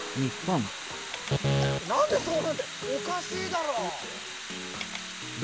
「なんでそうなるんだよおかしいだろう！」。